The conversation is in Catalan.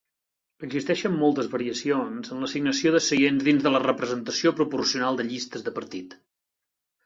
Existeixen moltes variacions en l'assignació de seients dins de la representació proporcional de llistes de partit.